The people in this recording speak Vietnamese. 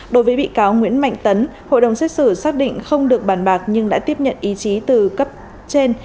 đối với bị cáo nguyễn mạnh tấn hội đồng xét xử xác định không được bàn bạc nhưng đã tiếp nhận ý chí từ cấp trên